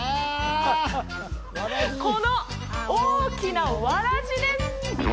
この大きなわらじです